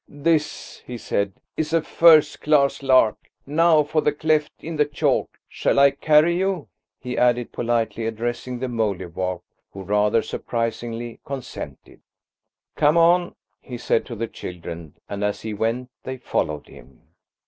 "This," he said, "is a first class lark. Now for the cleft in the chalk. Shall I carry you?" he added politely, addressing the Mouldiwarp, who, rather surprisingly, consented. "Come on," he said to the children, and as he went they followed him.